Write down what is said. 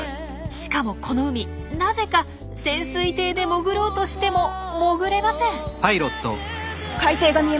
しかもこの海なぜか潜水艇で潜ろうとしても潜れません。